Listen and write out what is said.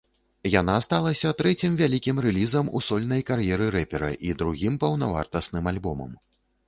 Яна сталася трэцім вялікім рэлізам у сольнай кар'еры рэпера і другім паўнавартасным альбомам.